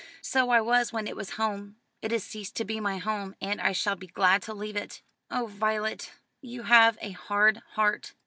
"So I was when it was home. It has ceased to be my home, and I shall be glad to leave it." "Oh, Violet, you have a hard heart."